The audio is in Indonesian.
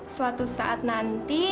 suatu saat nanti